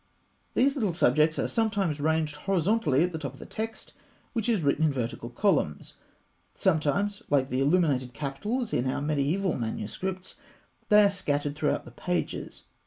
These little subjects are sometimes ranged horizontally at the top of the text, which is written in vertical columns (fig. 162); sometimes, like the illuminated capitals in our mediaeval manuscripts, they are scattered throughout the pages.